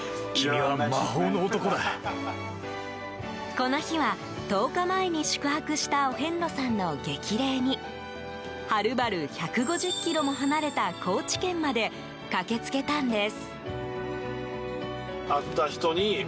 この日は、１０日前に宿泊したお遍路さんの激励にはるばる１５０ｋｍも離れた高知県まで駆け付けたんです。